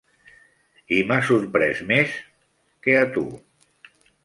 I m'ha sorprès més que a tu.